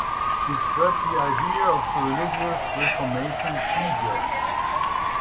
He spread the idea of the religious Reformation eagerly.